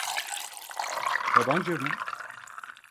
Tabanca mı?